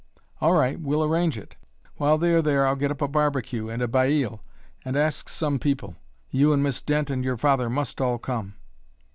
All right, we'll arrange it. While they are there I'll get up a barbecue and a baile, and ask some people. You and Miss Dent and your father must all come."